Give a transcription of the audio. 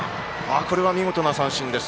これは見事な三振です。